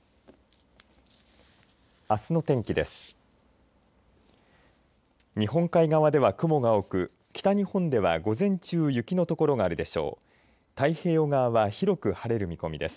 あすの天気です。